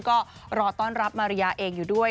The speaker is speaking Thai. ก็รอต้อนรับมาริยาเองอยู่ด้วย